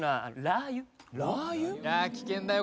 ・あー危険だよ